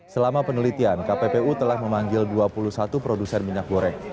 selama penelitian kppu telah memanggil dua puluh satu produsen minyak goreng